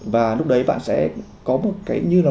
và lúc đấy bạn sẽ có một cái như là